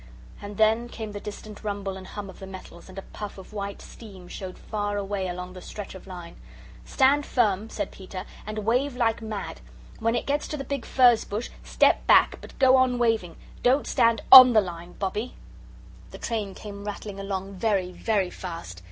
And then came the distant rumble and hum of the metals, and a puff of white steam showed far away along the stretch of line. "Stand firm," said Peter, "and wave like mad! When it gets to that big furze bush step back, but go on waving! Don't stand ON the line, Bobbie!" The train came rattling along very, very fast.